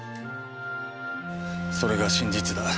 それが真実だ。